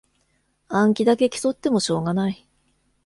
暗記だけ競ってもしょうがない